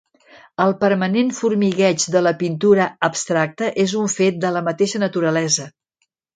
El permanent formigueig de la pintura abstracta és un fet de la mateixa naturalesa.